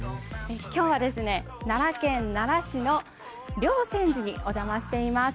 きょうは、奈良県奈良市のりょうせん寺にお邪魔しています。